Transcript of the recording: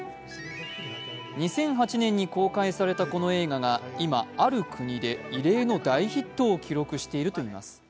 ２００８年に公開されたこの映画が今ある国で異例の大ヒットを記録しているといいます。